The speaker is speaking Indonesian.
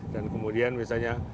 dan kemudian misalnya